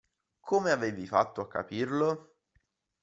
Come avevi fatto a capirlo?